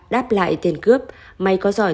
đáp lại tên cướp may có giỏi